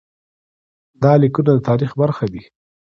دا لیکونه د تاریخ برخه دي.